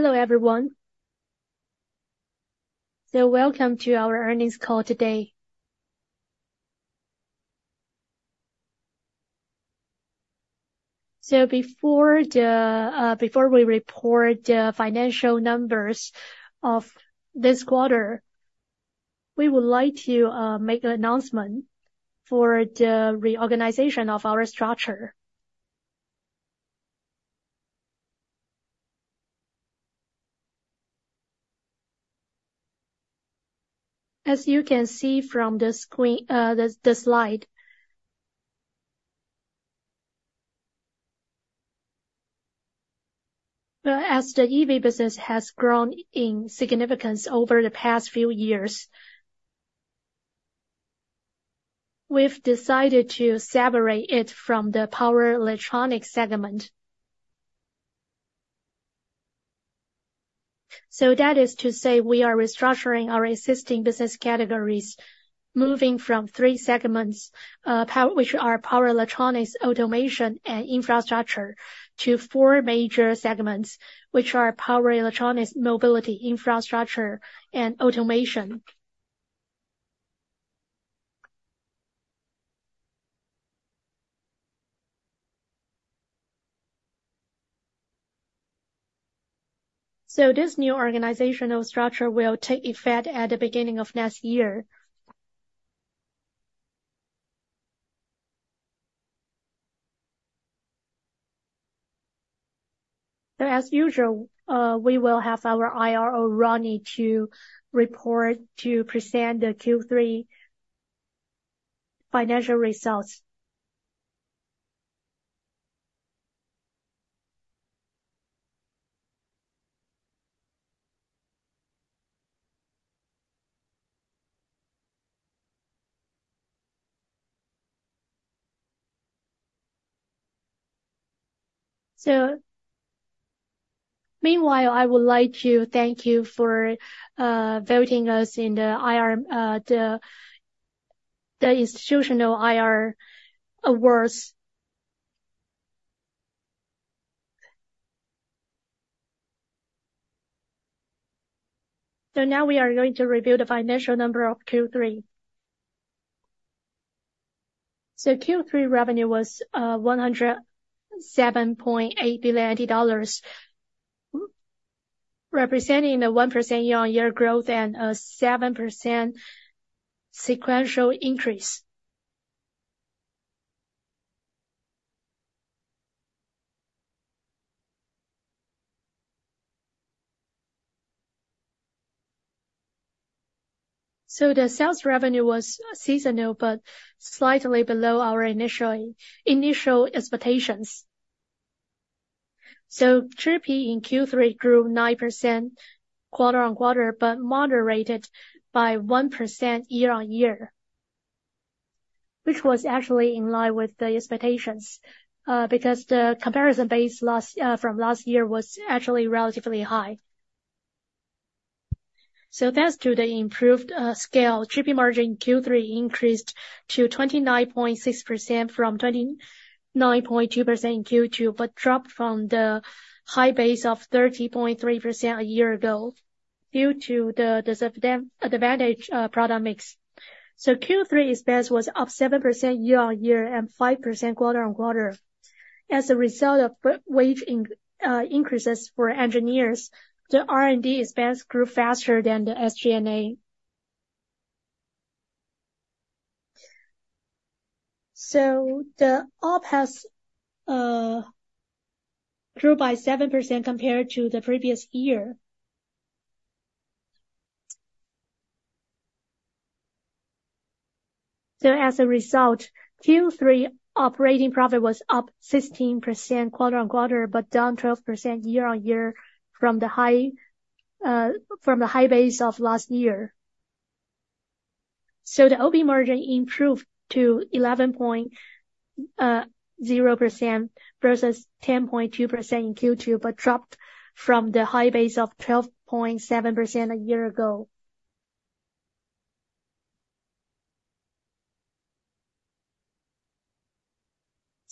Hello, everyone. Welcome to our earnings call today. Before the, before we report the financial numbers of this quarter, we would like to make an announcement for the reorganization of our structure. As you can see from the screen, the, the slide. Well, as the EV business has grown in significance over the past few years, we've decided to separate it from the power electronics segment. That is to say, we are restructuring our existing business categories, moving from three segments, power, which are power electronics, automation, and infrastructure, to four major segments, which are power electronics, mobility, infrastructure, and automation. This new organizational structure will take effect at the beginning of next year. As usual, we will have our IRO, Rodney, to report, to present the Q3 financial results. So meanwhile, I would like to thank you for voting us in the IR, the Institutional IR Awards. So now we are going to review the financial number of Q3. So Q3 revenue was 107.8 billion dollars, representing a 1% year-on-year growth and a 7% sequential increase. So the sales revenue was seasonal, but slightly below our initial expectations. So GP in Q3 grew 9% quarter-on-quarter, but moderated by 1% year-on-year, which was actually in line with the expectations, because the comparison base from last year was actually relatively high. So thanks to the improved scale, GP margin in Q3 increased to 29.6% from 29.2% in Q2, but dropped from the high base of 30.3% a year ago, due to the disadvantage product mix. So Q3 expense was up 7% year-on-year and 5% quarter-on-quarter. As a result of wage increases for engineers, the R&D expense grew faster than the SG&A. So the OpEx has grew by 7% compared to the previous year. So as a result, Q3 operating profit was up 16% quarter-on-quarter, but down 12% year-on-year from the high base of last year. The OP margin improved to 11.0% versus 10.2% in Q2, but dropped from the high base of 12.7% a year ago.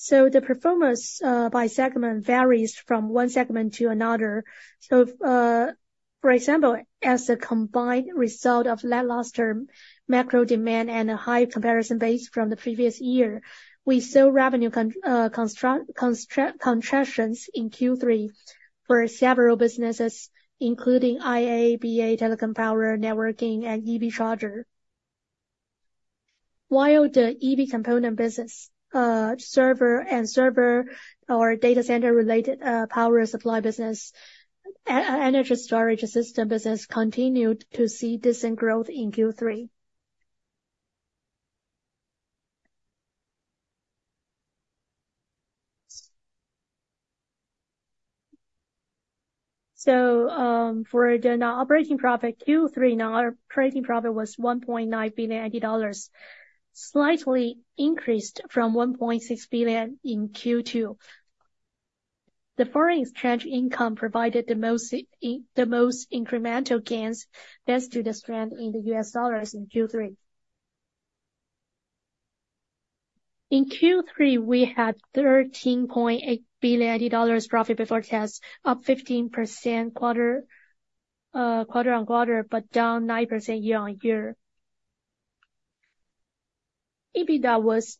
The performance by segment varies from one segment to another. For example, as a combined result of lackluster macro demand and a high comparison base from the previous year, we saw revenue contractions in Q3 for several businesses, including IA, BA, telecom power, networking, and EV charger. While the EV component business, server and server or data center-related power supply business, energy storage system business continued to see decent growth in Q3. For the net operating profit, Q3 net operating profit was 1.9 billion, slightly increased from 1.6 billion in Q2. The foreign exchange income provided the most the most incremental gains, thanks to the strength in the U.S. dollar in Q3. In Q3, we had TWD 13.8 billion profit before tax, up 15% quarter-on-quarter, but down 9% year-on-year. EBITDA was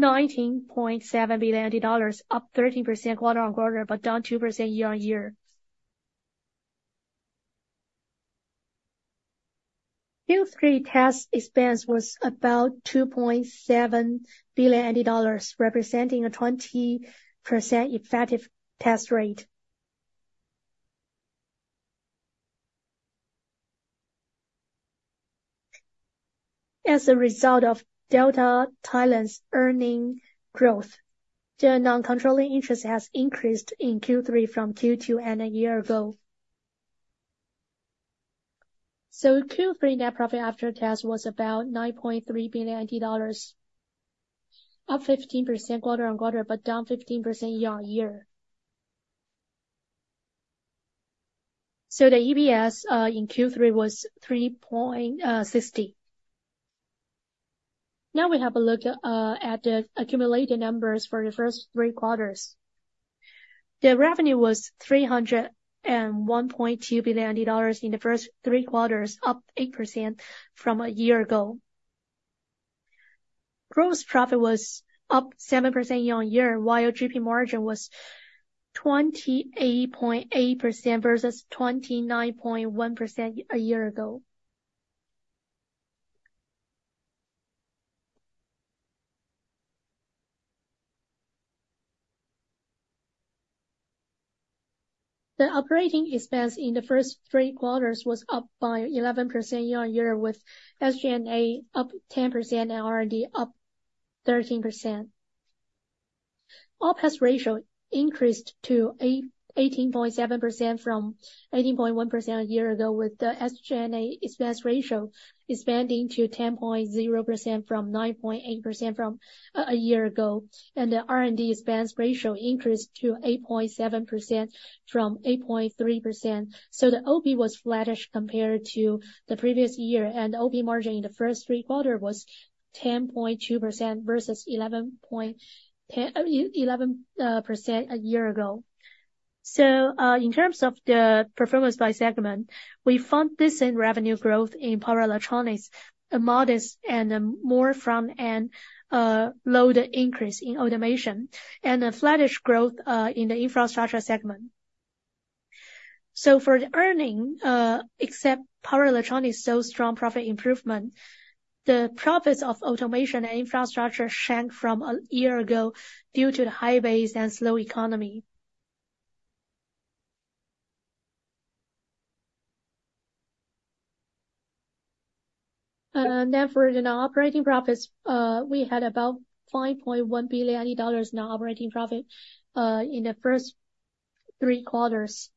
19.7 billion dollars, up 13% quarter-on-quarter, but down 2% year-on-year. Q3 tax expense was about 2.7 billion dollars, representing a 20% effective tax rate. As a result of Delta Thailand's earnings growth, the non-controlling interest has increased in Q3 from Q2 and a year ago. So Q3 net profit after tax was about TWD 9.3 billion, up 15% quarter-on-quarter, but down 15% year-on-year. So the EPS in Q3 was 3.60. Now we have a look at the accumulated numbers for the first three quarters. The revenue was 301.2 billion dollars in the first three quarters, up 8% from a year ago. Gross profit was up 7% year-on-year, while GP margin was 28.8% versus 29.1% a year ago. The operating expense in the first three quarters was up by 11% year-on-year, with SG&A up 10% and R&D up 13%. OpEx ratio increased to 18.7% from 18.1% a year ago, with the SG&A expense ratio expanding to 10.0% from 9.8% a year ago. And the R&D expense ratio increased to 8.7% from 8.3%. So the OP was flattish compared to the previous year, and OP margin in the first three quarters was 10.2% versus 11% a year ago. So, in terms of the performance by segment, we found decent revenue growth in power electronics, a modest and more from a load increase in automation, and a flattish growth in the infrastructure segment. So for the earnings, except power electronics, so strong profit improvement, the profits of automation and infrastructure shrank from a year ago due to the high base and slow economy. Therefore, in our operating profits, we had about 5.1 billion dollars in our operating profit in the first three quarters.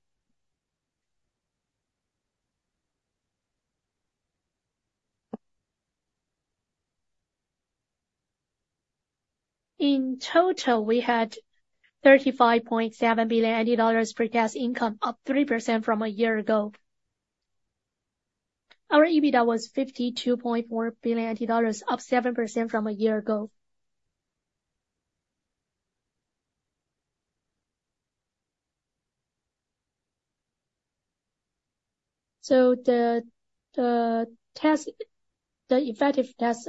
In total, we had 35.7 billion dollars pre-tax income, up 3% from a year ago. Our EBITDA was TWD 52.4 billion, up 7% from a year ago. So the effective tax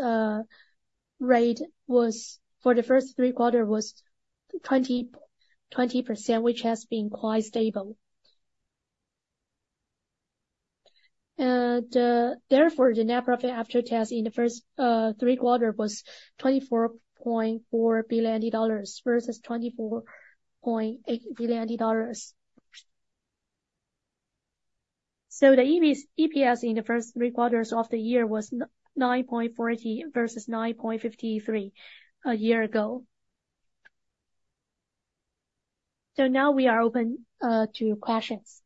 rate was, for the first three quarters, 20%, which has been quite stable. And therefore, the net profit after tax in the first three quarters was 24.4 billion dollars, versus 24.8 billion dollars. So the EPS in the first three quarters of the year was 9.40 versus 9.53 a year ago. So now we are open to your questions.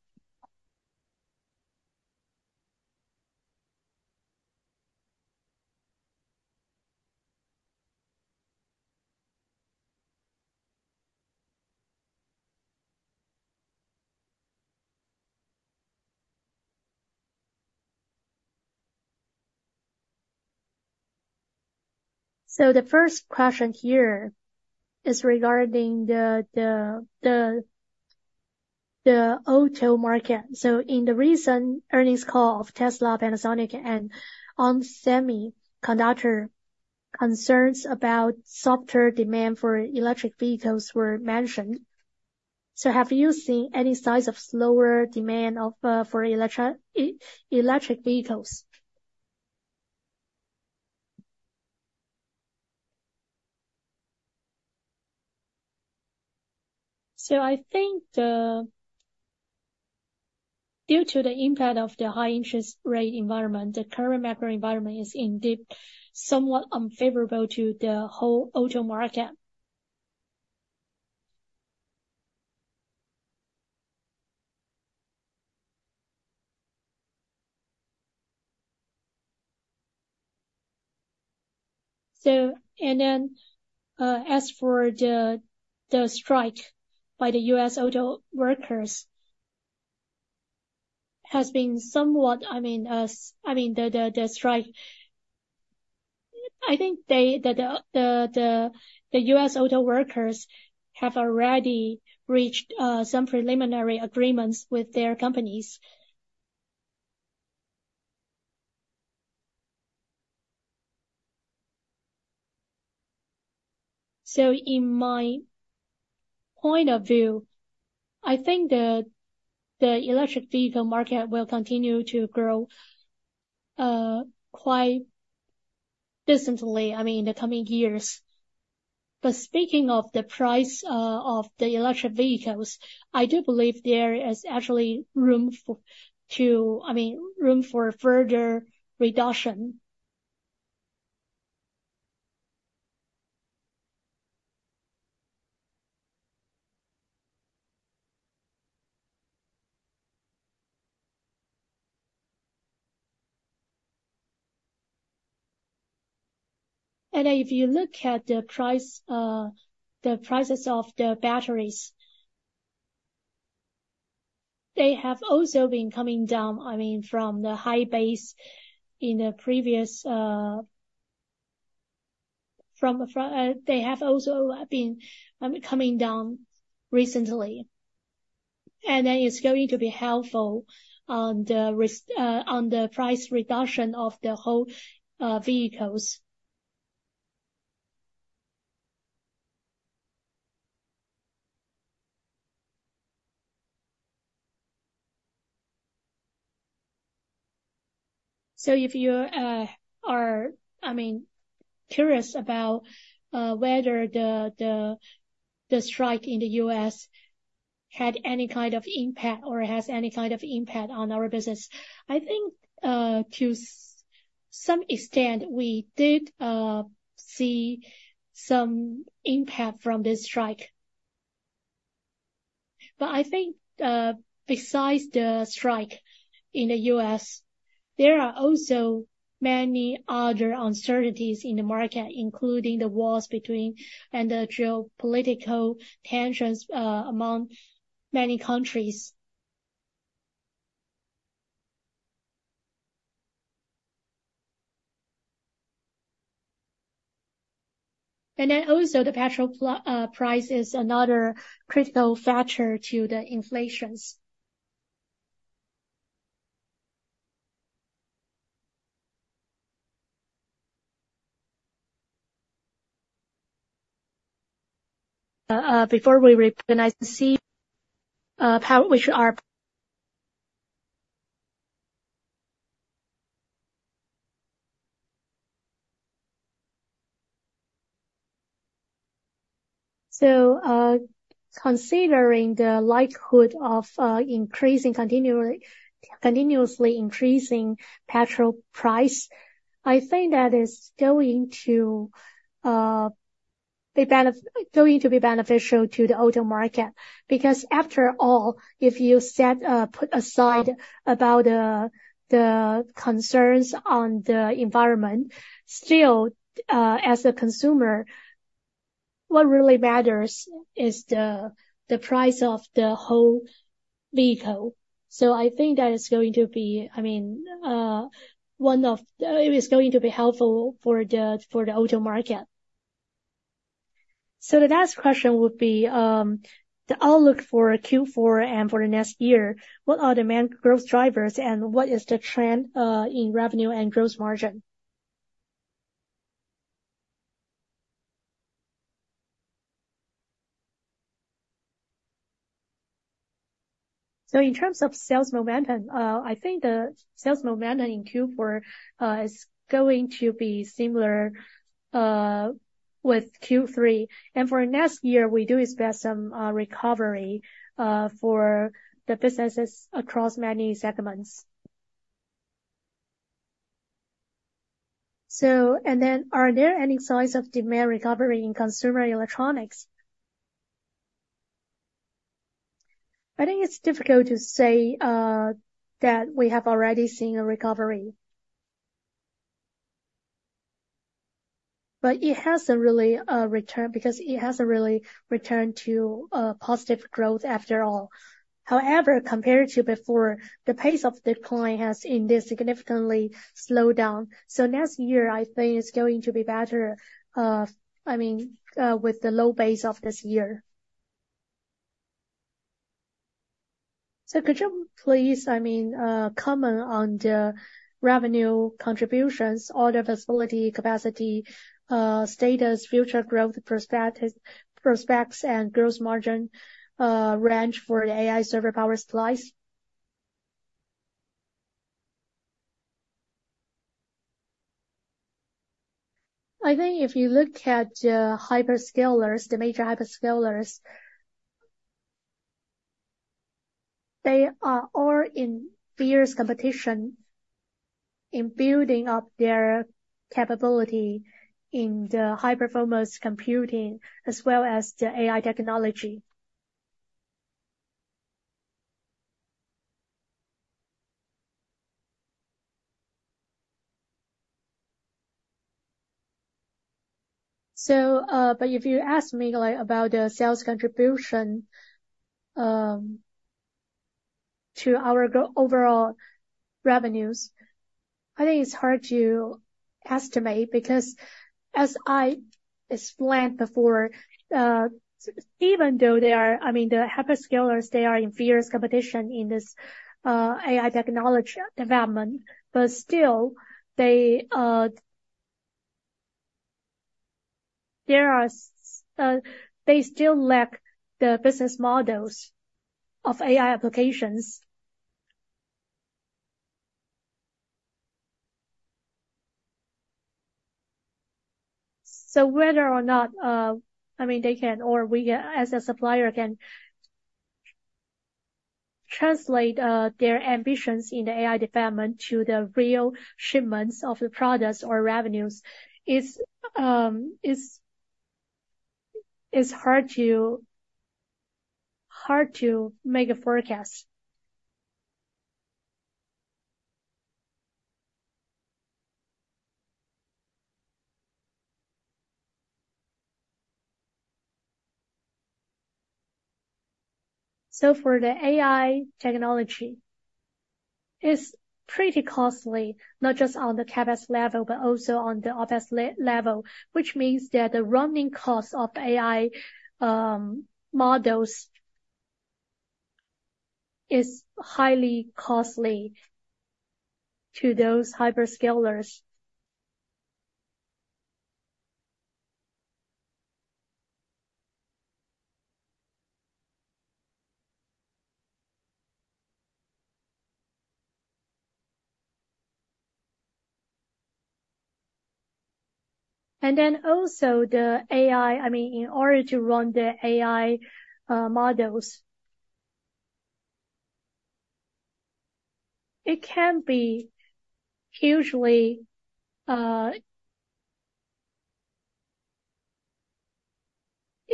So the first question here is regarding the auto market. So in the recent earnings call of Tesla, Panasonic, and ON Semiconductor, concerns about softer demand for electric vehicles were mentioned. So have you seen any signs of slower demand for electric vehicles? So I think, due to the impact of the high-interest rate environment, the current macro environment is indeed somewhat unfavorable to the whole auto market. So, and then, as for the strike by the U.S. auto workers, has been somewhat, I mean, the strike. I think the U.S. auto workers have already reached some preliminary agreements with their companies. So in my point of view, I think the electric vehicle market will continue to grow quite decently, I mean, in the coming years. But speaking of the price of the electric vehicles, I do believe there is actually room for to... I mean, room for further reduction. And if you look at the price, the prices of the batteries, they have also been coming down, I mean, from the high base in the previous, and they have also been coming down recently, and that is going to be helpful on the price reduction of the whole vehicles. So if you are, I mean, curious about whether the strike in the U.S. had any kind of impact or has any kind of impact on our business, I think, to some extent, we did see some impact from this strike. But I think, besides the strike in the U.S., there are also many other uncertainties in the market, including the wars between and the geopolitical tensions among many countries. Then also, the petrol price is another critical factor to the inflation. Before we recognize the, how, which are... So, considering the likelihood of increasing continually, continuously increasing petrol price, I think that is going to be beneficial to the auto market. Because after all, if you set, put aside the concerns on the environment, still, as a consumer, what really matters is the price of the whole vehicle. So I think that is going to be, I mean, one of... it is going to be helpful for the auto market. So the next question would be, the outlook for Q4 and for the next year, what are the main growth drivers, and what is the trend in revenue and gross margin? So in terms of sales momentum, I think the sales momentum in Q4 is going to be similar with Q3. And for next year, we do expect some recovery for the businesses across many segments. Are there any signs of demand recovery in consumer electronics? I think it's difficult to say that we have already seen a recovery. But it hasn't really returned, because it hasn't really returned to positive growth after all. However, compared to before, the pace of decline has indeed significantly slowed down. So next year, I think it's going to be better, I mean, with the low base of this year. So could you please, I mean, comment on the revenue contributions, order visibility, capacity status, future growth prospects, and growth margin range for the AI server power supplies? I think if you look at the hyperscalers, the major hyperscalers, they are all in fierce competition in building up their capability in the high-performance computing as well as the AI technology. So, but if you ask me, like, about the sales contribution, to our overall revenues, I think it's hard to estimate because as I explained before, even though they are—I mean, the hyperscalers, they are in fierce competition in this, AI technology development, but still, they, there are, they still lack the business models of AI applications. So whether or not, I mean, they can or we as a supplier, can translate, their ambitions in the AI development to the real shipments of the products or revenues, is, is, is hard to, hard to make a forecast. So for the AI technology, it's pretty costly, not just on the CapEx level, but also on the OpEx level, which means that the running costs of the AI models is highly costly to those hyperscalers. And then also the AI. I mean, in order to run the AI models, it can be hugely, it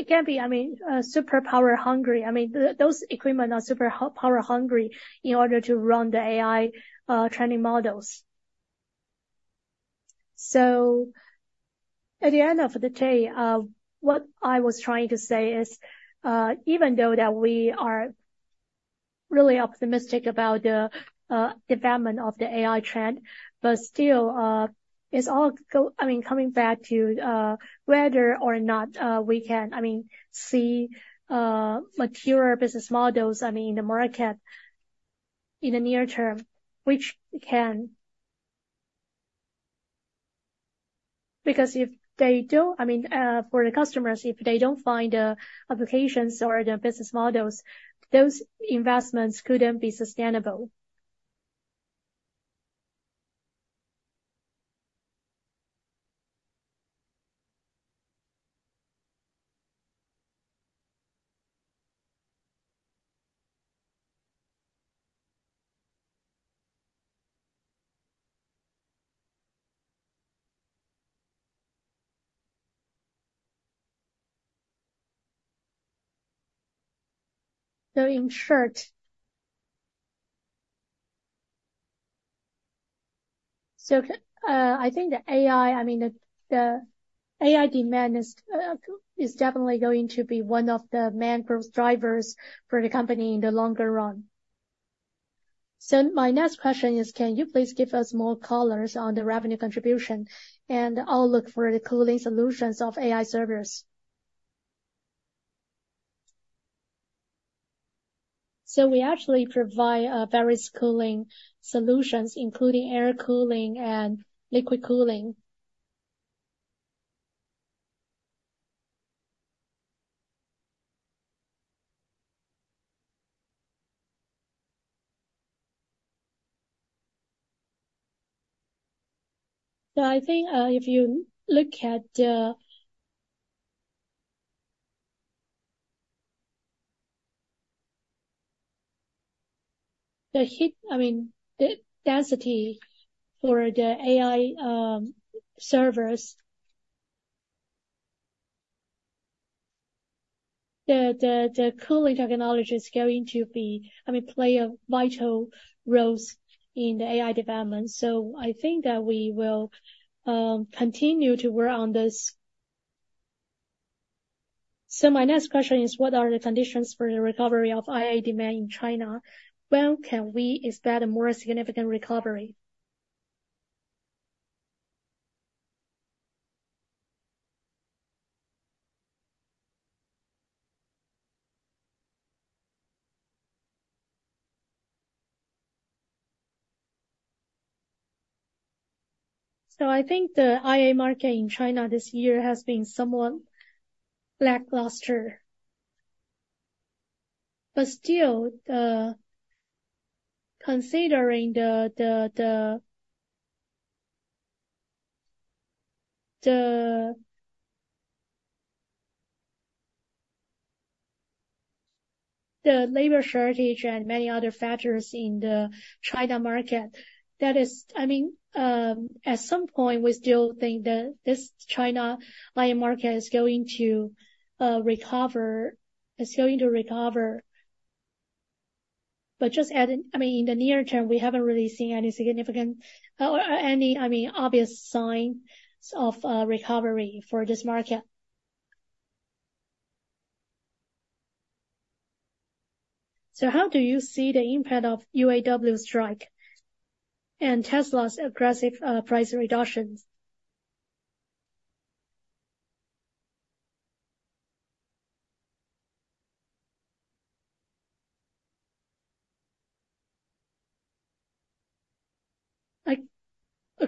can be, I mean, super power hungry. I mean, those equipment are super power hungry in order to run the AI training models. So at the end of the day, what I was trying to say is, even though that we are really optimistic about the development of the AI trend, but still, I mean, coming back to whether or not we can, I mean, see mature business models, I mean, in the market in the near term, which can... Because if they don't, I mean, for the customers, if they don't find the applications or the business models, those investments couldn't be sustainable. So in short, so, I think the AI, I mean, the, the AI demand is definitely going to be one of the main growth drivers for the company in the longer run. So my next question is, can you please give us more colors on the revenue contribution and outlook for the cooling solutions of AI servers? So we actually provide various cooling solutions, including air cooling and liquid cooling. So I think, if you look at the heat, I mean, the density for the AI servers, the cooling technology is going to be, I mean, play a vital roles in the AI development. So I think that we will continue to work on this. So my next question is, what are the conditions for the recovery of IA demand in China? When can we expect a more significant recovery? So I think the IA market in China this year has been somewhat lackluster. But still, considering the labor shortage and many other factors in the China market, that is, I mean, at some point, we still think that this China IA market is going to recover—is going to recover. But just adding, I mean, in the near term, we haven't really seen any significant or any, I mean, obvious signs of recovery for this market. So how do you see the impact of UAW strike and Tesla's aggressive price reductions?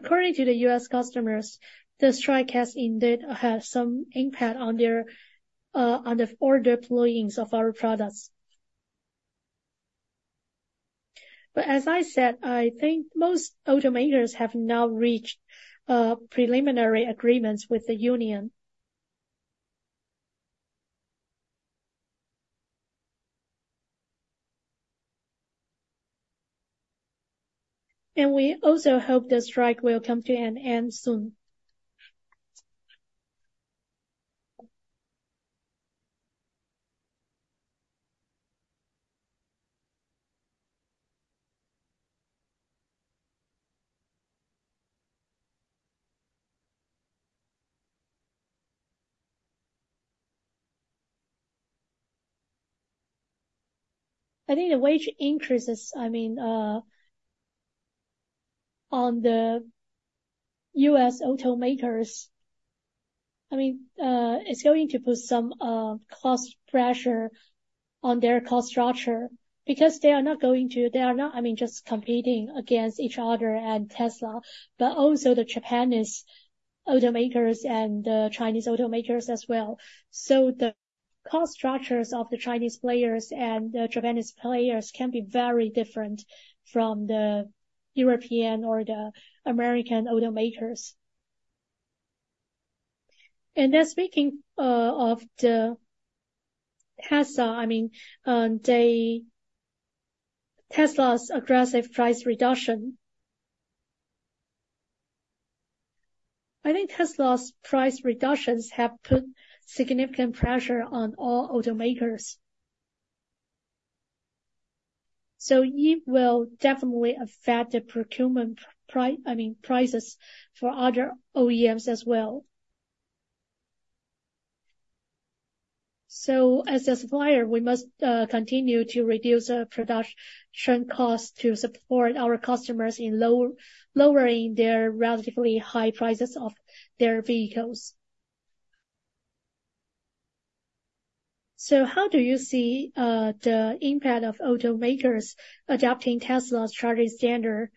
Like, according to the U.S. customers, the strike has indeed had some impact on their on the order deployments of our products. But as I said, I think most automakers have now reached preliminary agreements with the union. And we also hope the strike will come to an end soon. I think the wage increases, I mean, on the U.S. automakers, I mean, it's going to put some cost pressure on their cost structure. Because they are not going to, they are not, I mean, just competing against each other and Tesla, but also the Japanese automakers and the Chinese automakers as well. So the cost structures of the Chinese players and the Japanese players can be very different from the European or the American automakers. And then speaking of the Tesla, I mean, the Tesla's aggressive price reduction. I think Tesla's price reductions have put significant pressure on all automakers. So it will definitely affect the procurement prices for other OEMs as well. So as a supplier, we must continue to reduce our production costs to support our customers in lowering their relatively high prices of their vehicles. So how do you see the impact of automakers adopting Tesla's charging standard?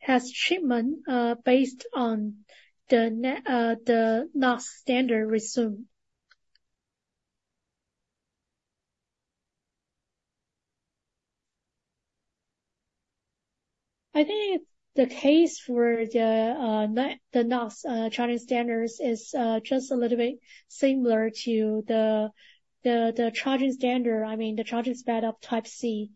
Has shipment based on the NACS resumed? I think the case for the NACS charging standards is just a little bit similar to the charging standard, I mean, the charging speed of Type-C.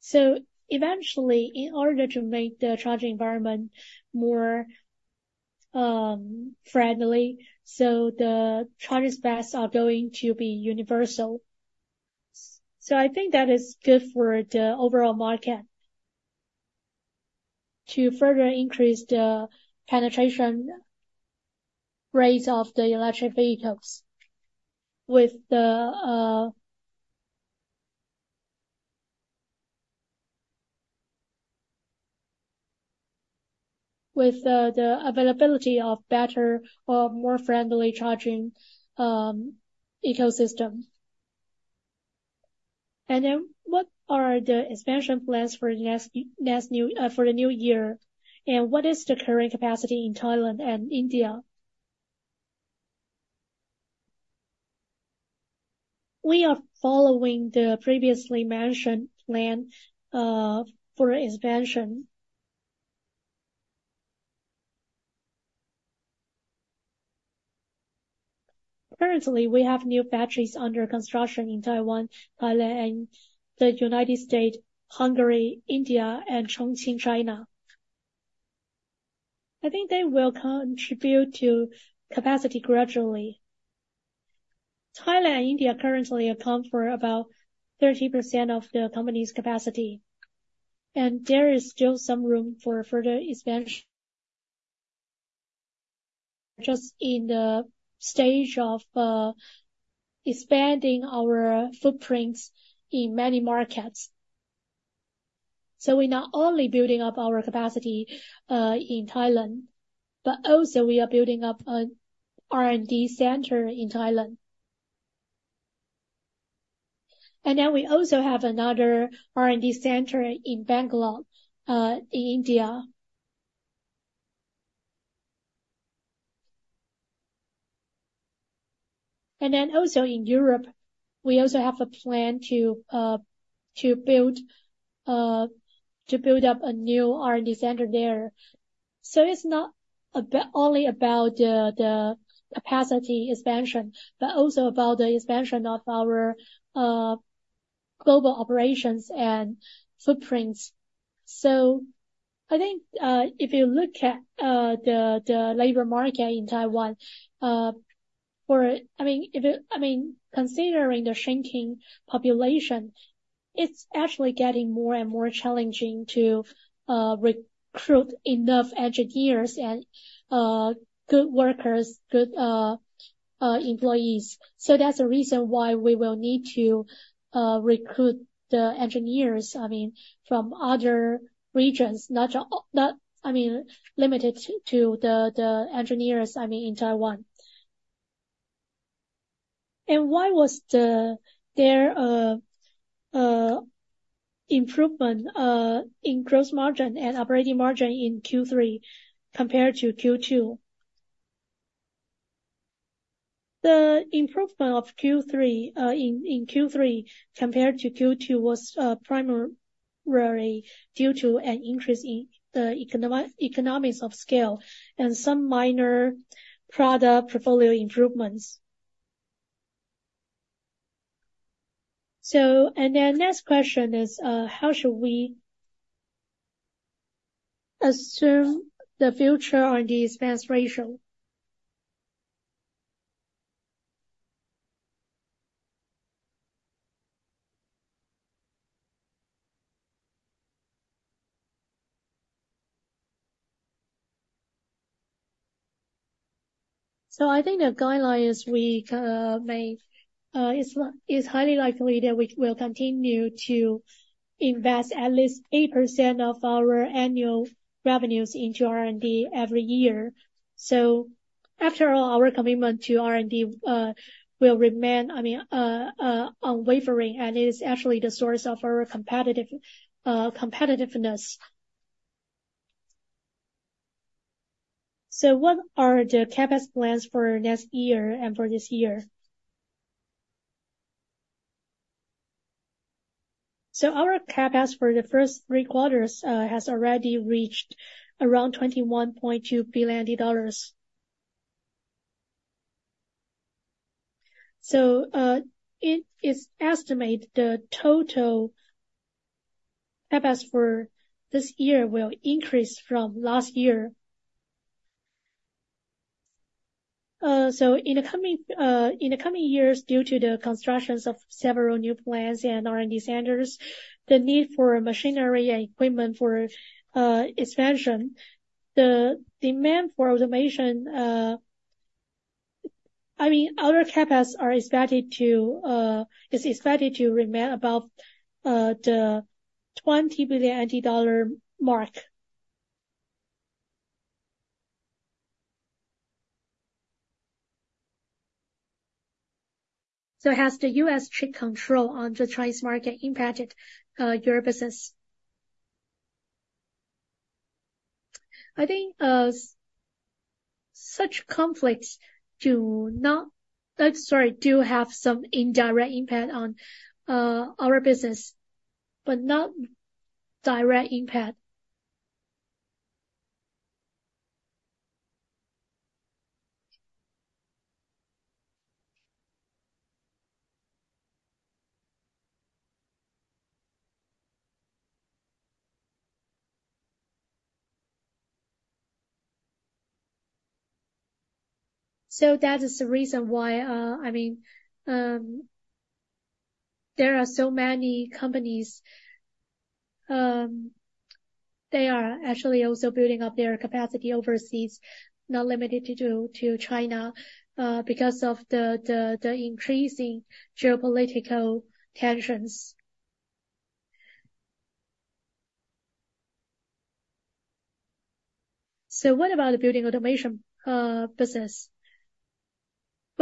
So eventually, in order to make the charging environment more friendly, so the charging speeds are going to be universal. So I think that is good for the overall market to further increase the penetration rates of the electric vehicles with the availability of better or more friendly charging ecosystem. And then what are the expansion plans for the new year? And what is the current capacity in Thailand and India? We are following the previously mentioned plan for expansion. Currently, we have new factories under construction in Taiwan, Thailand, and the United States, Hungary, India, and Chongqing, China. I think they will contribute to capacity gradually. Thailand and India currently account for about 30% of the company's capacity, and there is still some room for further expansion. Just in the stage of expanding our footprints in many markets. So we're not only building up our capacity in Thailand, but also we are building up an R&D center in Thailand. And then we also have another R&D center in Bangalore in India. And then also in Europe, we also have a plan to build up a new R&D center there. So it's not only about the capacity expansion, but also about the expansion of our global operations and footprints. I think if you look at the labor market in Taiwan, I mean, considering the shrinking population, it's actually getting more and more challenging to recruit enough engineers and good workers, good employees. So that's the reason why we will need to recruit the engineers, I mean, from other regions, not just limited to the engineers, I mean, in Taiwan. Why was there an improvement in gross margin and operating margin in Q3 compared to Q2? The improvement of Q3 in Q3 compared to Q2 was primarily due to an increase in the economics of scale and some minor product portfolio improvements. And then the next question is, how should we assume the future R&D expense ratio? So I think the guideline is it's highly likely that we will continue to invest at least 8% of our annual revenues into R&D every year. So after all, our commitment to R&D will remain, I mean, unwavering, and it is actually the source of our competitive competitiveness. So what are the CapEx plans for next year and for this year? So our CapEx for the first three quarters has already reached around 21.2 billion dollars. It is estimated the total CapEx for this year will increase from last year. So in the coming years, due to the constructions of several new plants and R&D centers, the need for machinery and equipment for expansion, the demand for automation, I mean, our CapEx is expected to remain above the TWD 20 billion mark. So has the U.S. chip control on the Chinese market impacted your business? I think, such conflicts do not, sorry, do have some indirect impact on our business, but not direct impact. So that is the reason why, I mean, there are so many companies, they are actually also building up their capacity overseas, not limited to China, because of the increasing geopolitical tensions. So what about the building automation business?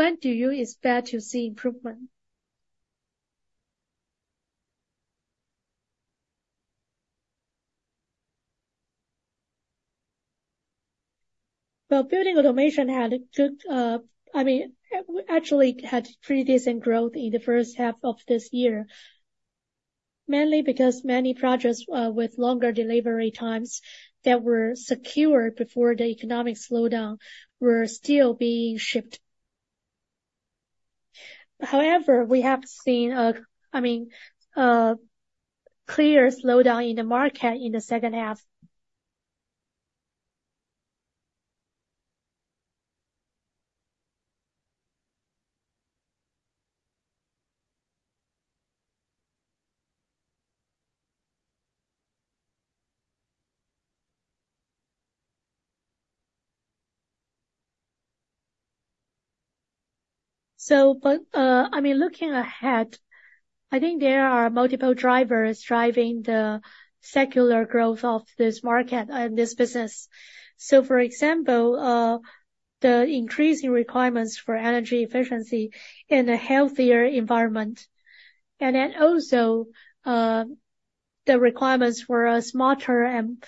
When do you expect to see improvement? Well, building automation had good, I mean, actually had pretty decent growth in the first half of this year. Mainly because many projects with longer delivery times that were secured before the economic slowdown were still being shipped. However, we have seen, I mean, a clear slowdown in the market in the second half. So but, I mean, looking ahead, I think there are multiple drivers driving the secular growth of this market and this business. So, for example, the increasing requirements for energy efficiency and a healthier environment, and then also, the requirements for a smarter and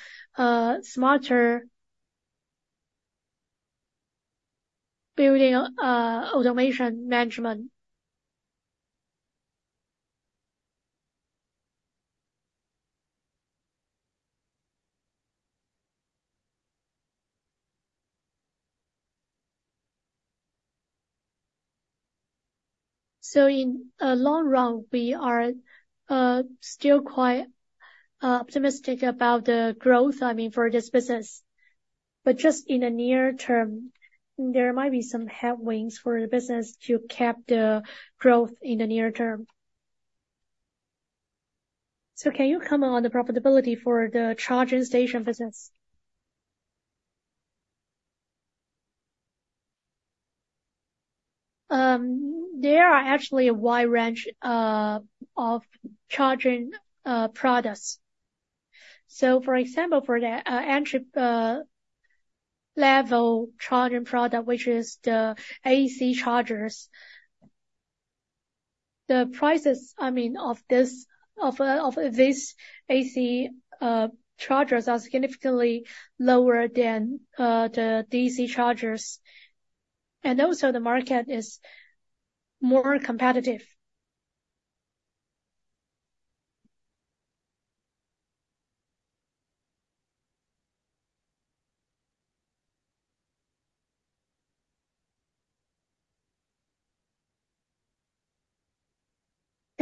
smarter building automation management. So in long run, we are still quite optimistic about the growth, I mean, for this business. But just in the near term, there might be some headwinds for the business to cap the growth in the near term. So can you comment on the profitability for the charging station business? There are actually a wide range of charging products. So for example, for the entry level charging product, which is the AC chargers, the prices, I mean, of these AC chargers are significantly lower than the DC chargers, and also the market is more competitive.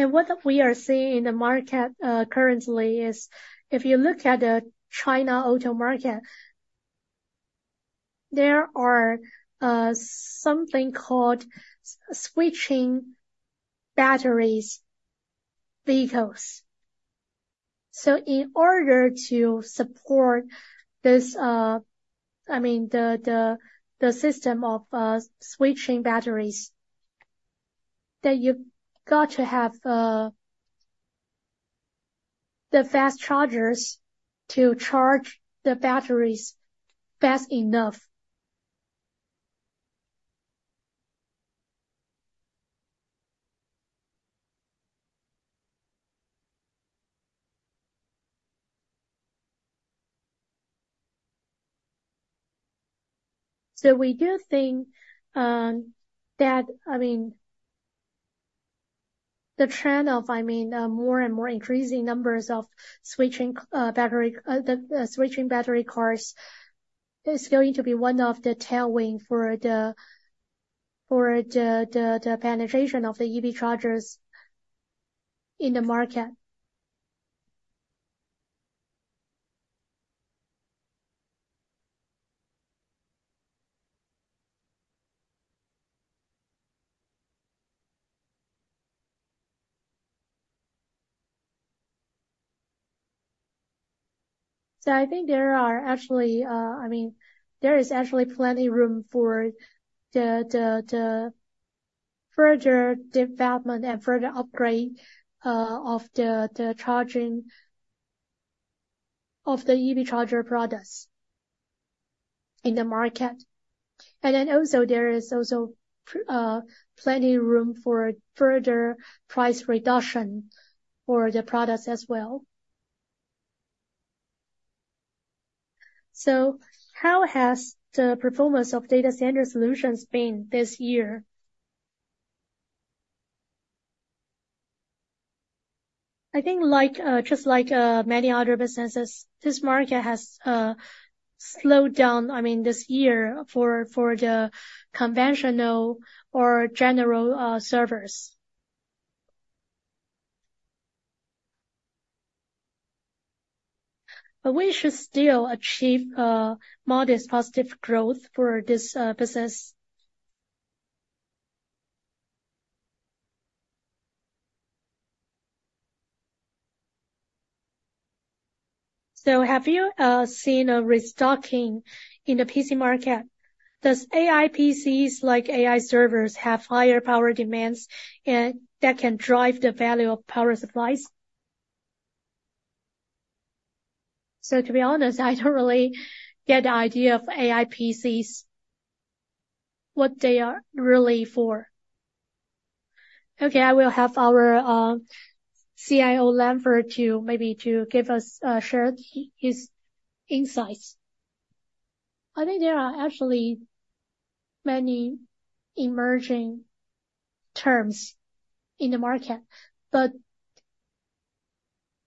And what we are seeing in the market currently is, if you look at the China auto market, there are something called switching batteries vehicles. So in order to support this, I mean, the system of switching batteries, that you've got to have the fast chargers to charge the batteries fast enough. So we do think, that, I mean, the trend of, I mean, more and more increasing numbers of switching battery cars, is going to be one of the tailwind for the penetration of the EV chargers in the market. So I think there are actually, I mean, there is actually plenty room for the further development and further upgrade of the charging of the EV charger products in the market. And then also there is also plenty room for further price reduction for the products as well. So how has the performance of data center solutions been this year? I think like, just like, many other businesses, this market has slowed down, I mean, this year, for the conventional or general servers. But we should still achieve a modest positive growth for this business. So have you seen a restocking in the PC market? Does AI PCs, like AI servers, have higher power demands and that can drive the value of power supplies? So to be honest, I don't really get the idea of AI PCs, what they are really for. Okay, I will have our CIO, [Lambert], to maybe to give us share his insights. I think there are actually many emerging terms in the market, but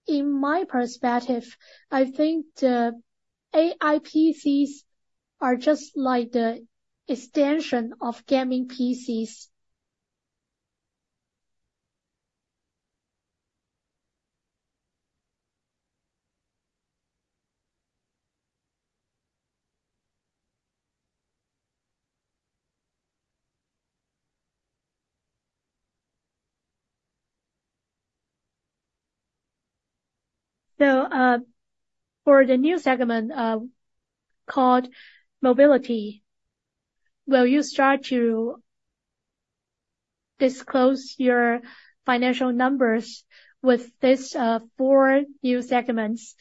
in my perspective, I think the AI PCs are just like the extension of gaming PCs. So, for the new segment, called mobility, will you start to disclose your financial numbers with these four new segments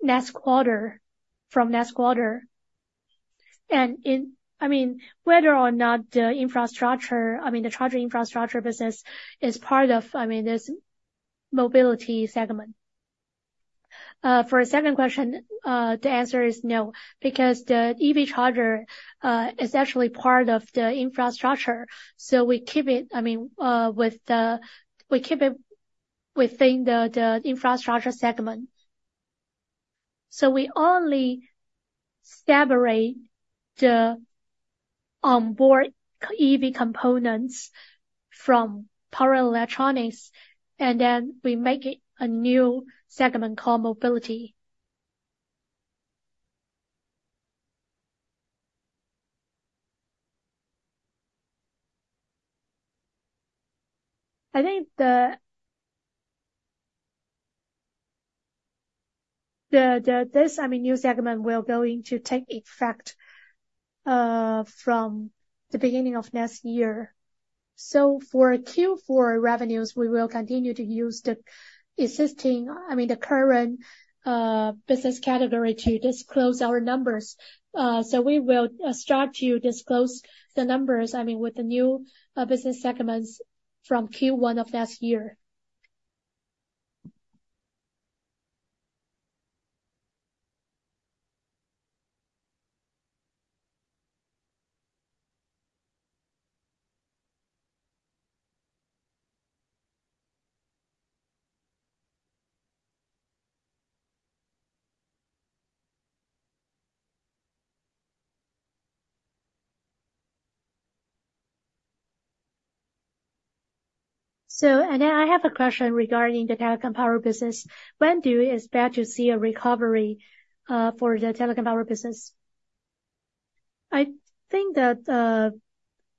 next quarter, from next quarter? And in... I mean, whether or not the infrastructure, I mean, the charging infrastructure business is part of, I mean, this mobility segment. For a second question, the answer is no, because the EV charger is actually part of the infrastructure, so we keep it, I mean, we keep it within the infrastructure segment. So we only separate the onboard EV components from power electronics, and then we make it a new segment called mobility. I think this, I mean, new segment, we're going to take effect from the beginning of next year. So for Q4 revenues, we will continue to use the existing, I mean, the current business category to disclose our numbers. So we will start to disclose the numbers, I mean, with the new business segments from Q1 of next year. So and then I have a question regarding the telecom power business. When do you expect to see a recovery for the telecom power business? I think that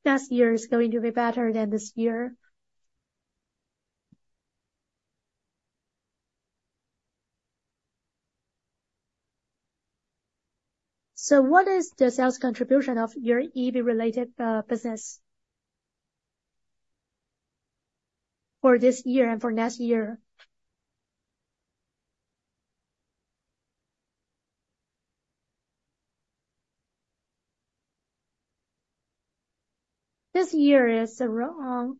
last year is going to be better than this year. So what is the sales contribution of your EV-related business for this year and for next year? This year is around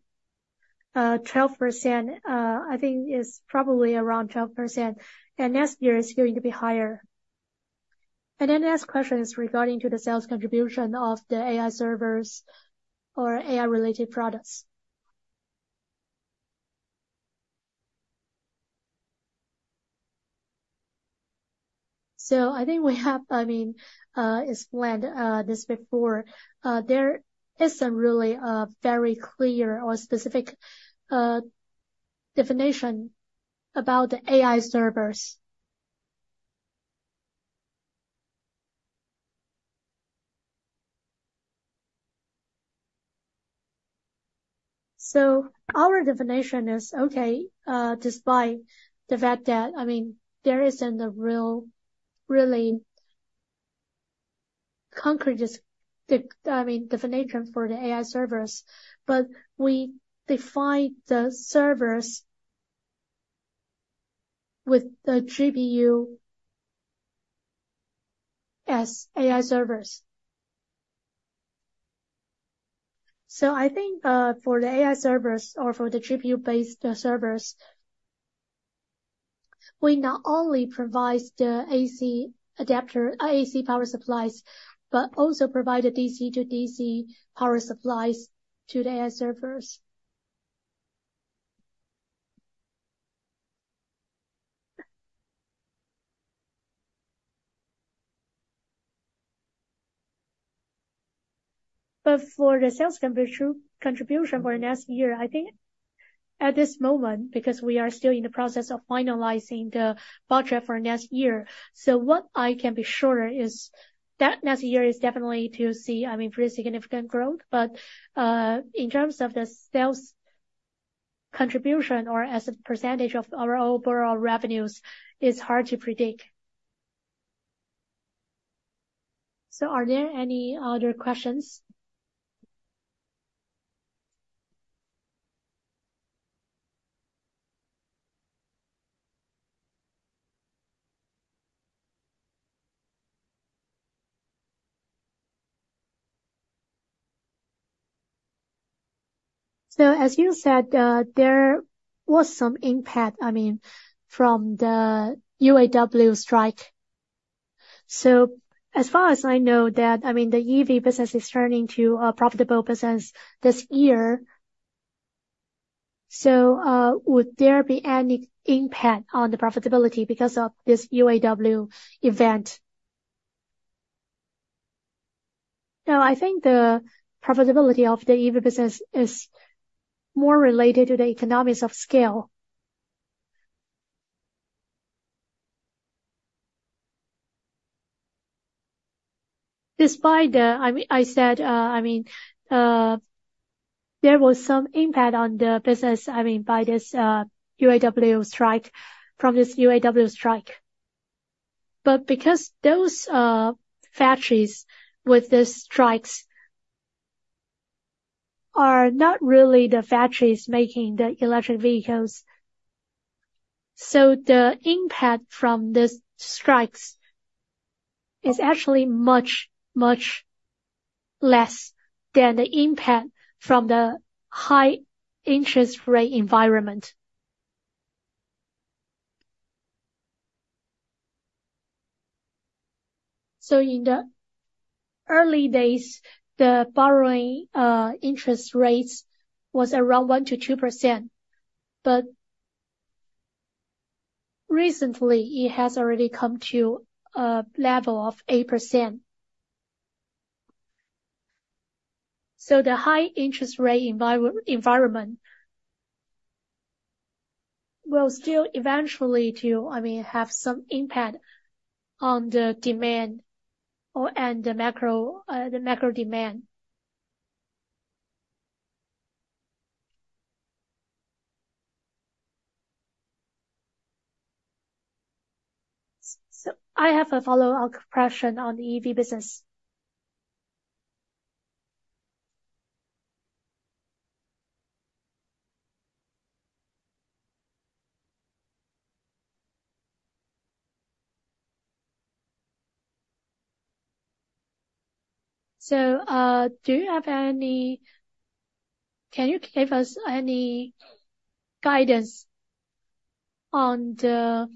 12%, I think it's probably around 12%, and next year is going to be higher. And the next question is regarding to the sales contribution of the AI servers or AI-related products. So I think we have, I mean, explained this before. There isn't really a very clear or specific definition about the AI servers. So our definition is, okay, despite the fact that, I mean, there isn't a really concrete definition for the AI servers, but we define the servers with the GPU as AI servers. So I think, for the AI servers or for the GPU-based servers, we not only provide the AC adapter, AC power supplies, but also provide the DC to DC power supplies to the AI servers. But for the sales contribution for next year, I think at this moment, because we are still in the process of finalizing the budget for next year. So what I can be sure is that next year is definitely to see, I mean, pretty significant growth. But, in terms of the sales contribution or as a percentage of our overall revenues, it's hard to predict. So are there any other questions? So as you said, there was some impact, I mean, from the UAW strike. So as far as I know that, I mean, the EV business is turning to a profitable business this year. So, would there be any impact on the profitability because of this UAW event? No, I think the profitability of the EV business is more related to the economics of scale. Despite the... I mean, I said, I mean, there was some impact on the business, I mean, by this, UAW strike, from this UAW strike. But because those, factories with the strikes are not really the factories making the electric vehicles, so the impact from the strikes is actually much, much less than the impact from the high interest rate environment. So in the early days, the borrowing interest rates was around 1%-2%, but recently, it has already come to a level of 8%. So the high interest rate environment will still eventually, I mean, have some impact on the demand or and the macro, the macro demand. So I have a follow-up question on the EV business. So, do you have any... Can you give us any guidance on the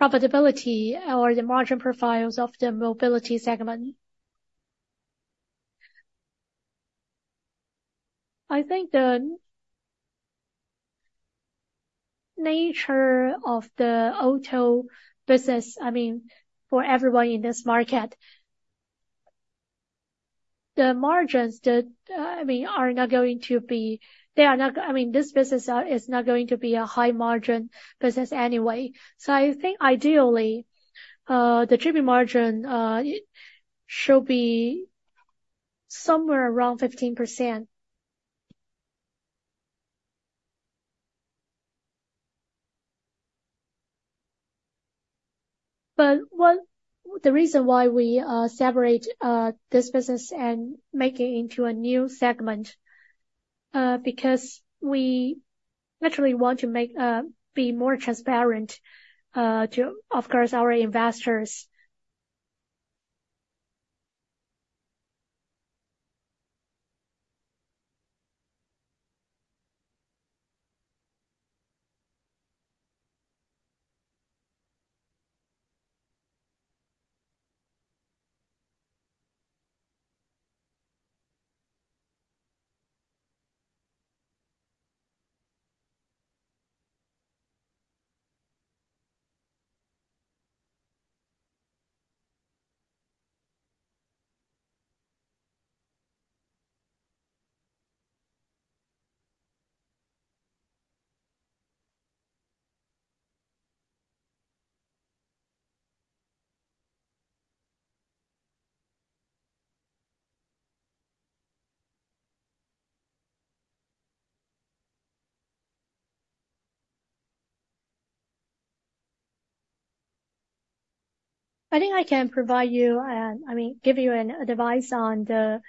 profitability or the margin profiles of the mobility segment? I think the nature of the auto business, I mean, for everyone in this market, the margins that, I mean, are not going to be, they are not—I mean, this business is not going to be a high margin business anyway. So I think ideally, the margin, it should be somewhere around 15%. But one—the reason why we separate this business and make it into a new segment, because we naturally want to make be more transparent, to, of course, our investors. I think I can provide you, I mean, give you an advice on the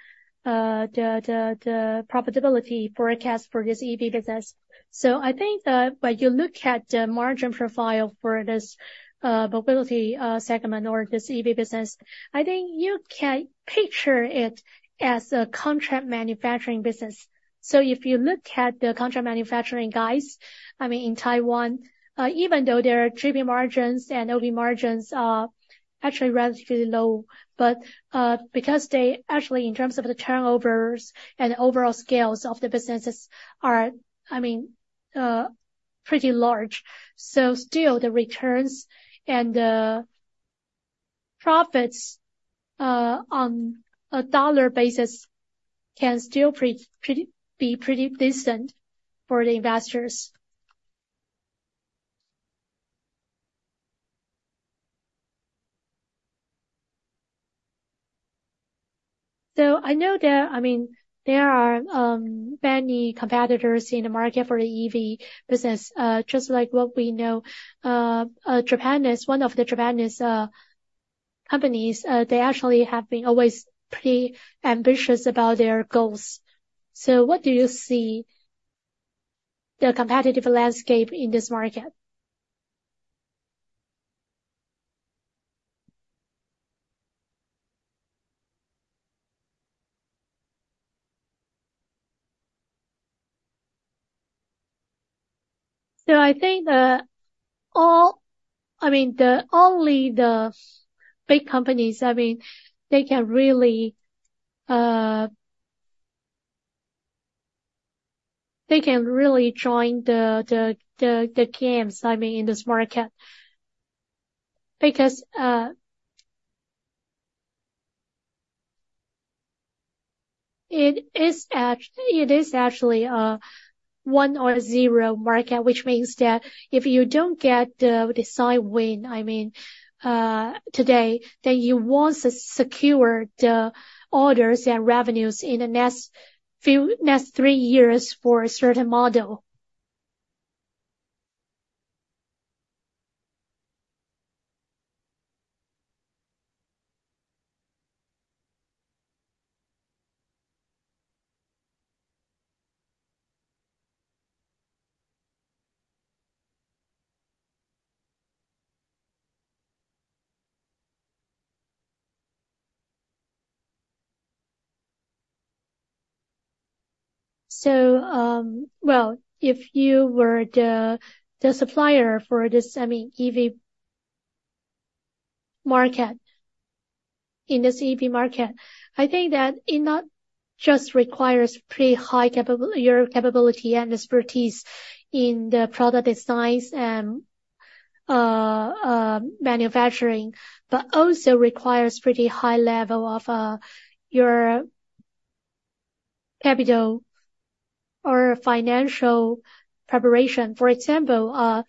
profitability forecast for this EV business. So I think that when you look at the margin profile for this mobility segment or this EV business, I think you can picture it as a contract manufacturing business. So if you look at the contract manufacturing guys, I mean, in Taiwan, even though their GP margins and OP margins are actually relatively low, but because they actually, in terms of the turnovers and overall scales of the businesses are, I mean, pretty large. So still the returns and the profits on a dollar basis can still pretty be pretty decent for the investors. So I know there, I mean, there are many competitors in the market for the EV business, just like what we know, one of the Japanese companies, they actually have been always pretty ambitious about their goals. So what do you see the competitive landscape in this market? So I think that all, I mean, the only the big companies, I mean, they can really, they can really join the games, I mean, in this market. Because it is actually a one or zero market, which means that if you don't get the design win today, then you won't secure the orders and revenues in the next three years for a certain model. So, well, if you were the supplier for this EV market, in this EV market, I think that it not just requires pretty high capability and expertise in the product designs and manufacturing, but also requires pretty high level of your capital or financial preparation. For example,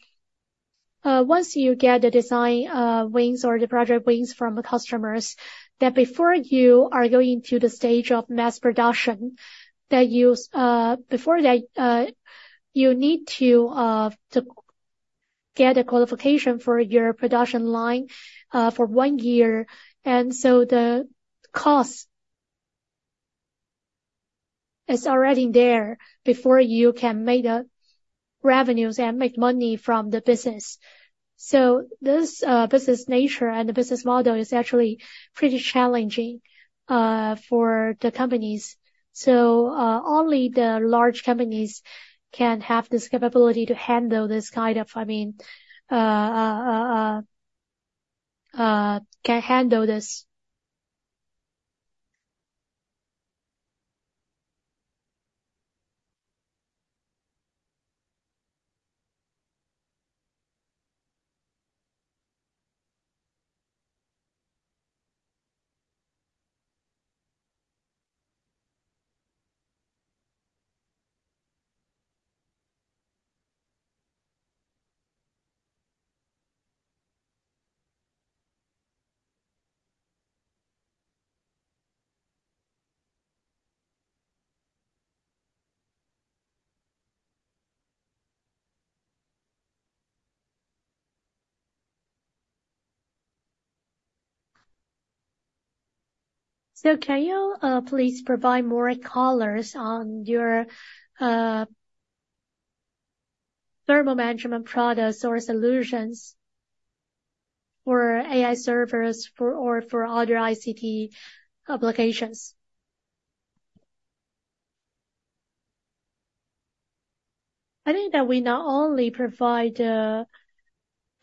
once you get the design wins or the project wins from the customers, that before you are going to the stage of mass production, that you, before that, you need to, to get a qualification for your production line, for one year. And so the cost is already there before you can make the revenues and make money from the business. So this business nature and the business model is actually pretty challenging, for the companies. So, only the large companies can have this capability to handle this kind of, I mean, can handle this. So can you please provide more colors on your thermal management products or solutions for AI servers, for, or for other ICT applications? I think that we not only provide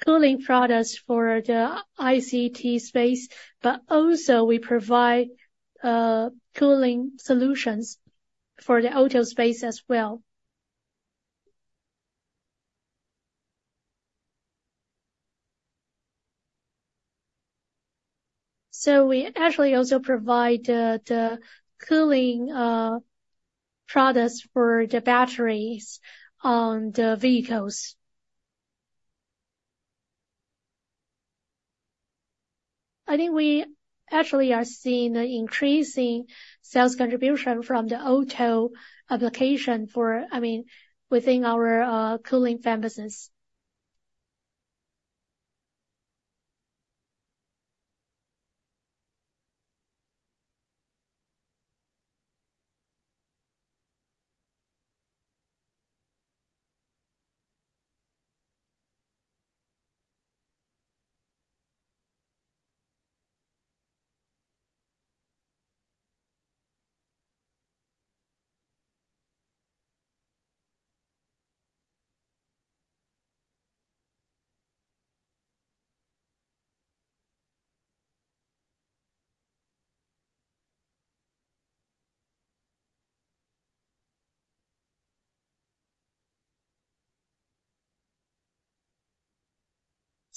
cooling products for the ICT space, but also we provide cooling solutions for the auto space as well. So we actually also provide the cooling products for the batteries on the vehicles. I think we actually are seeing an increasing sales contribution from the auto application for, I mean, within our cooling fan business.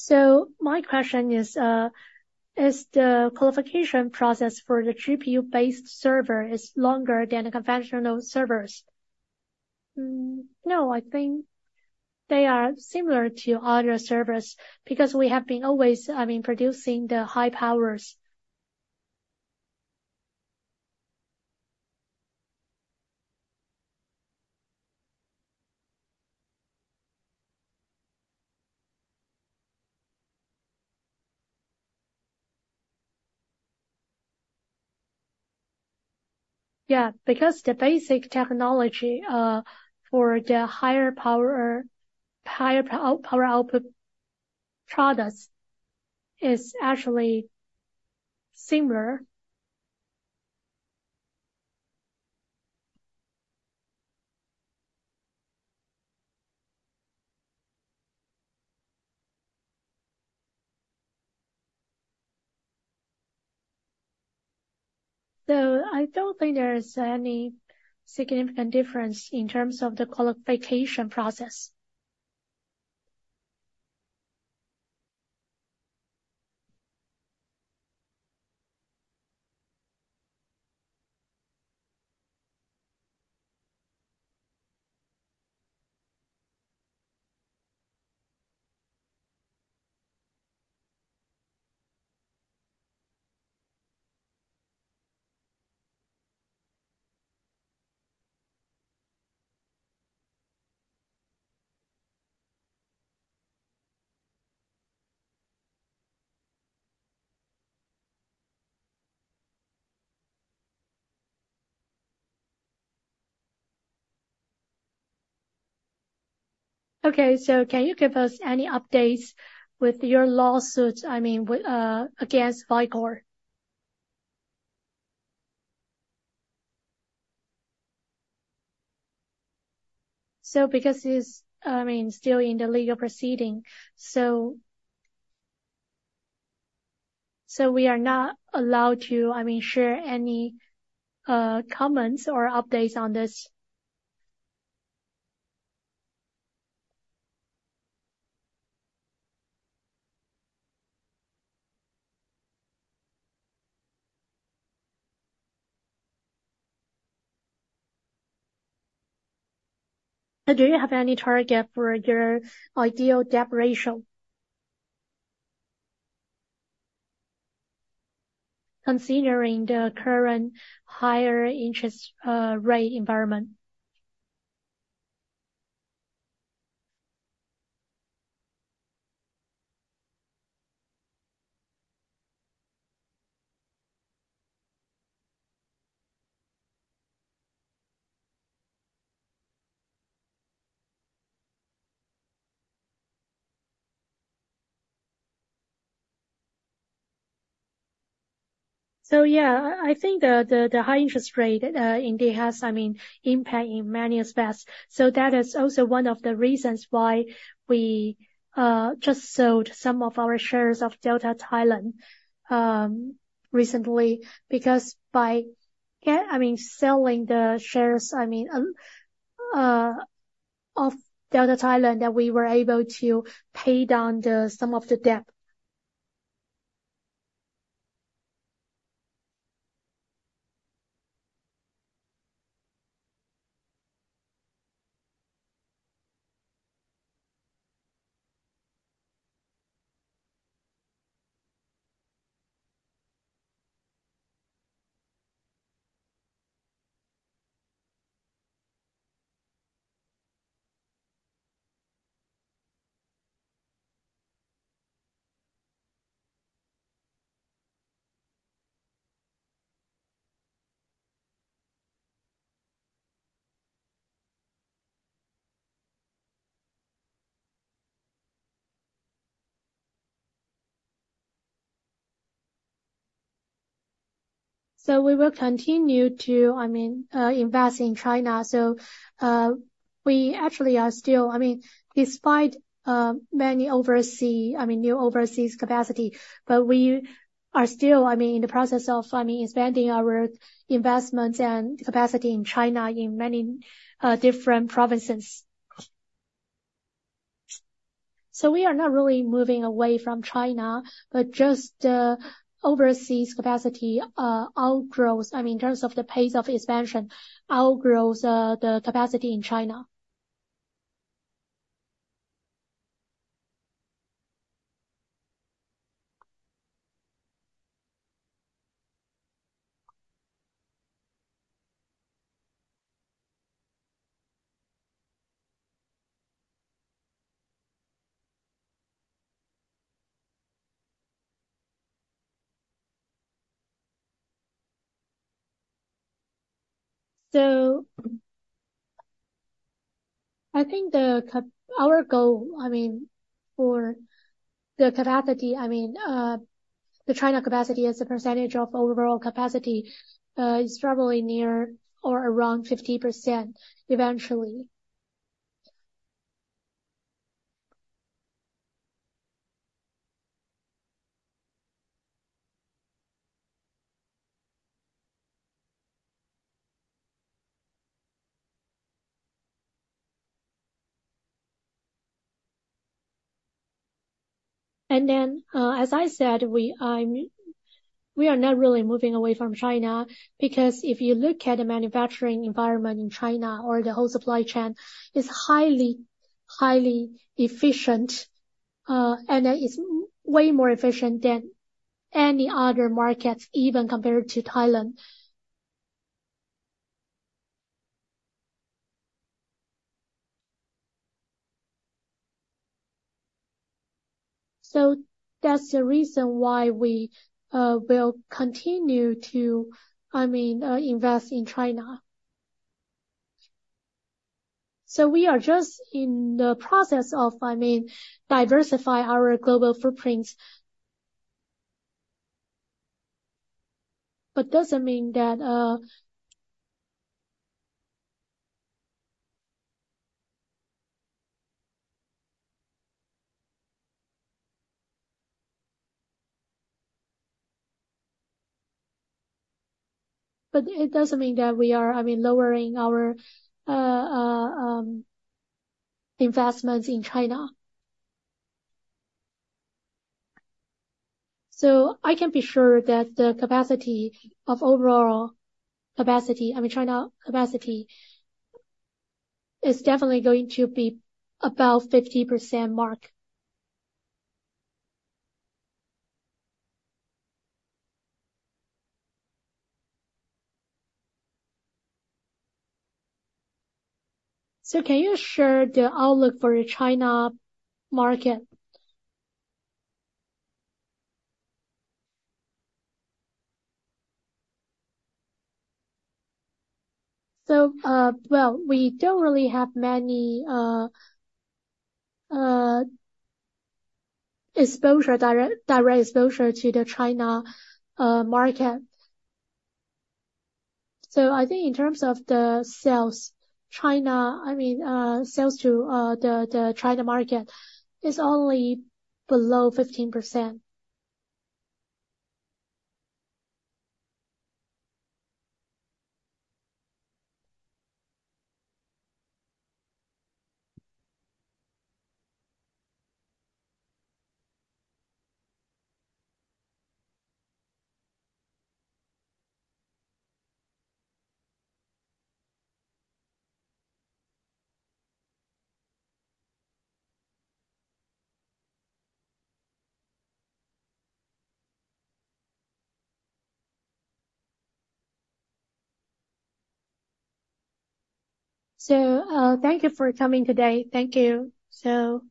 So my question is, is the qualification process for the GPU-based server is longer than the conventional servers? No, I think they are similar to other servers, because we have been always, I mean, producing the high powers. Yeah, because the basic technology for the higher power output products is actually similar. So I don't think there is any significant difference in terms of the qualification process. Okay, so can you give us any updates with your lawsuit, I mean, with, against Vicor? So because it's, I mean, still in the legal proceeding, so, so we are not allowed to, I mean, share any, comments or updates on this. Do you have any target for your ideal debt ratio? Considering the current higher interest rate environment. So yeah, I think the high interest rate indeed has, I mean, impact in many aspects. So that is also one of the reasons why we just sold some of our shares of Delta Thailand recently. Because I mean, selling the shares, I mean, of Delta Thailand, that we were able to pay down some of the debt. So we will continue to, I mean, invest in China. So, we actually are still... I mean, despite many new overseas capacity, but we are still, I mean, in the process of, I mean, expanding our investments and capacity in China, in many different provinces. So we are not really moving away from China, but just overseas capacity outgrows, I mean, in terms of the pace of expansion, outgrows the capacity in China. So I think our goal, I mean, for the capacity, I mean, the China capacity as a percentage of overall capacity is probably near or around 50% eventually. And then, as I said, we are we are not really moving away from China. Because if you look at the manufacturing environment in China, or the whole supply chain, is highly, highly efficient, and it is way more efficient than any other markets, even compared to Thailand. So that's the reason why we will continue to, I mean, invest in China. So we are just in the process of, I mean, diversify our global footprints. But it doesn't mean that we are, I mean, lowering our investments in China. So I can be sure that the capacity, of overall capacity, I mean China capacity, is definitely going to be above 50% mark. So can you share the outlook for the China market? So, well, we don't really have many exposure, direct, direct exposure to the China market. So I think in terms of the sales, China, I mean, sales to the China market is only below 15%. So, thank you for coming today. Thank you. So, yeah.